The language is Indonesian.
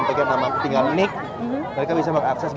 mereka bisa mengakses gitu mana kira kira perusahaan mencari pekerjaan